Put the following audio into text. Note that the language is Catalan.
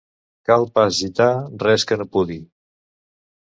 Cal pas gitar res que no pudi.